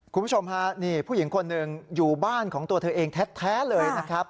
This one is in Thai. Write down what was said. คุณผู้ชมฮะนี่ผู้หญิงคนหนึ่งอยู่บ้านของตัวเธอเองแท้เลยนะครับ